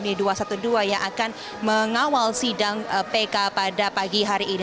jadi ini adalah satu satunya yang akan mengawal sidang pk pada pagi hari ini